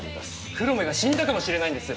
黒目が死んだかもしれないんです